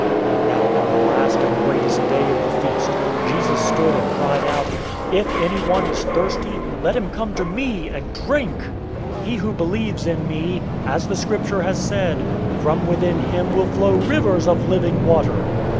007:037 Now on the last and greatest day of the feast, Jesus stood and cried out, "If anyone is thirsty, let him come to me and drink! 007:038 He who believes in me, as the Scripture has said, from within him will flow rivers of living water."